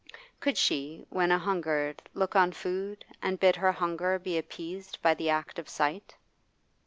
Could she, when a hungered, look on food, and bid her hunger be appeased by the act of sight?